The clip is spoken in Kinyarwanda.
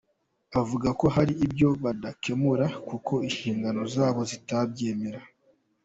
Avuga ko hari ibyo badakemura kuko inshingano zabo zitabyemera.